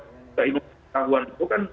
keinginan pengetahuan itu kan